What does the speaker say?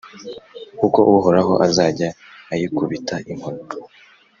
Uko Uhoraho azajya ayikubita inkoni,